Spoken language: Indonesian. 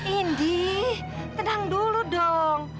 indi tenang dulu dong